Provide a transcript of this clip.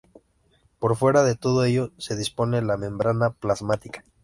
Por fuera, de todo ello, se dispone la membrana plasmática.